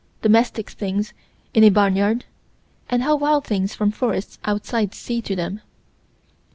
Domestic things in a barnyard: and how wild things from forests outside seem to them.